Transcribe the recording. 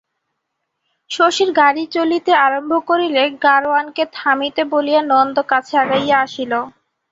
শশীর গাড়ি চলিতে আরম্ভ করিলে, গাড়োয়ানকে থামিতে বলিয়া নন্দ কাছে আগাইয়া আসিল।